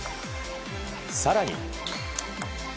更に。